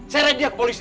seret dia ke polisi